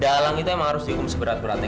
dalang itu emang harus diumum seberat beratnya